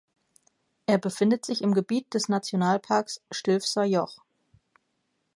Er befindet sich im Gebiet des Nationalparks Stilfser Joch.